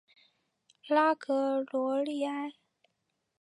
拉格罗利埃。